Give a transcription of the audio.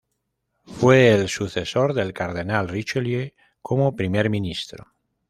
Fue el sucesor del cardenal Richelieu como primer ministro.